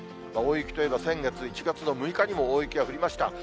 大雪といえば先月１月の６日にも大雪が降りました。